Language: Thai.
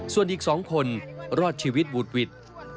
ส่วนอีก๒คนรอดชีวิตวุดหวิด